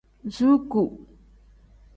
Zuuku.